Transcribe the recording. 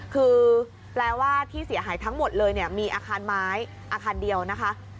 คือแปลว่าที่เสียหายทั้งหมดเลยเนี่ยมีอาคารไม้อาคารเดียวนะคะ